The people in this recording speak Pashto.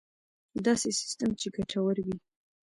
داسې سیستم چې ګټور وي.